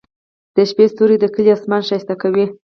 د شپې ستوري د کلي اسمان ښايسته کوي.